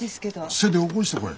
せで起こしてこい！